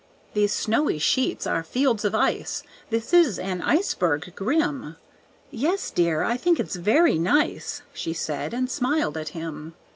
"These snowy sheets are fields of ice, This is an iceberg grim." "Yes, dear, I think it's very nice," She said, and smiled at him.